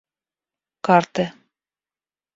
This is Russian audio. карты